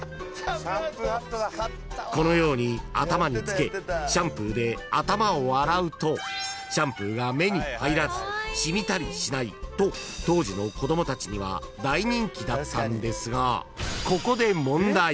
［このように頭に着けシャンプーで頭を洗うとシャンプーが目に入らず染みたりしないと当時の子供たちには大人気だったんですがここで］